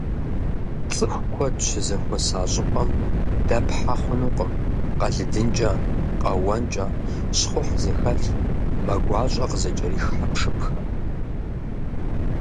ЦӀыху куэд щызэхуэса щӀыпӀэм дэпхьэ хъунукъым къэлыдынкӀэ, къэуэнкӀэ, щхъухь зыхэлъ, мэ гуащӀэ къызыкӀэрих хьэпшыпхэр.